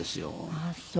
ああそう。